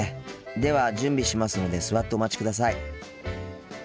では準備しますので座ってお待ちください。